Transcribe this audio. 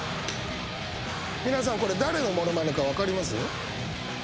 皆さんこれ誰の物まねか分かります？